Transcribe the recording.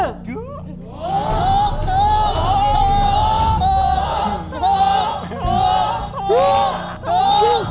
ตกตกตกตกตก